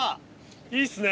いいですね。